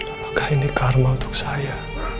apakah ini karma untuk saya